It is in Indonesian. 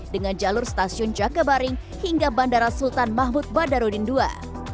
dengan jalur stasiun jakabaring hingga bandara sultan mahmud badarudin ii